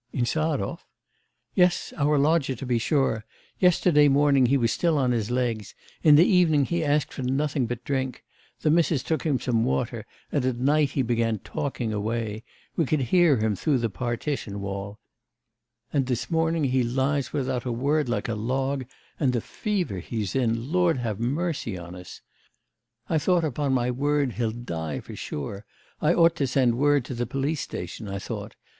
'Insarov?' 'Yes, our lodger, to be sure; yesterday morning he was still on his legs, in the evening he asked for nothing but drink; the missis took him some water, and at night he began talking away; we could hear him through the partition wall; and this morning he lies without a word like a log, and the fever he's in, Lord have mercy on us! I thought, upon my word, he'll die for sure; I ought to send word to the police station, I thought.